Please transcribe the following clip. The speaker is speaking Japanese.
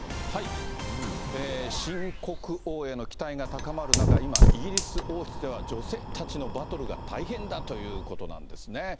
新国王への期待が高まる中、今、イギリス王室では女性たちのバトルが大変だということなんですね。